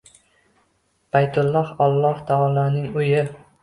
Baytulloh – Alloh taoloning uyi